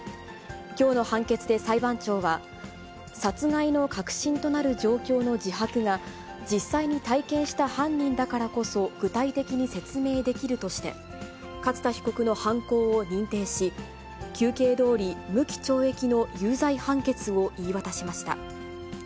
きょうの判決で裁判長は、殺害の核心となる状況の自白が、実際に体験した犯人だからこそ具体的に説明できるとして、勝田被告の犯行を認定し、求刑どおり無期懲役の有罪判決を言い渡しました。